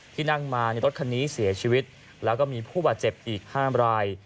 ที่นั่งมาในรถคันนี้เสียชีวิตแล้วก็มีผู้บาดเจ็บอีก๕ราย